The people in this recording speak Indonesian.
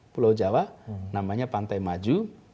pulau jawa namanya pantai maju